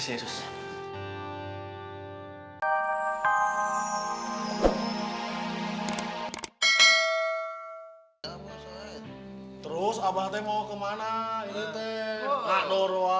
terus abang t mau kemana